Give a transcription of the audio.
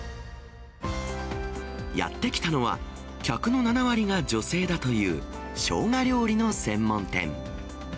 やって来たのは、客の７割が女性だというしょうが料理の専門店。